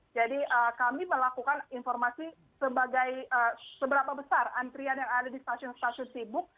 jadi kami melakukan informasi sebagai seberapa besar antrian yang ada di stasiun stasiun sibuk